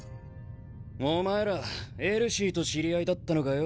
お前らエルシーと知り合いだったのかよ。